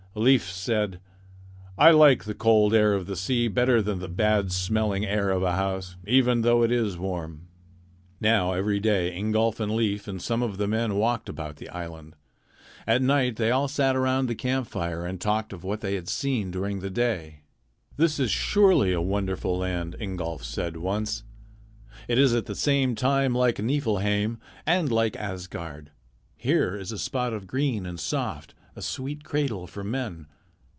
Leif said: "I like the cold air of the sea better than the bad smelling air of a house, even though it is warm." Now every day Ingolf and Leif and some of the men walked about the island. At night they all sat around the campfire and talked of what they had seen during the day. "This is surely a wonderful land," Ingolf said once. "It is at the same time like Niflheim and like Asgard. Here is a spot green and soft, a sweet cradle for men.